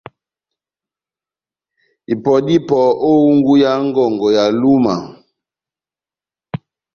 Ipɔ dá ipɔ ó ehungu yá ngɔngɔ ya Lúma,